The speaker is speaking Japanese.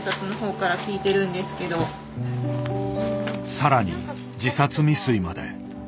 更に自殺未遂まで。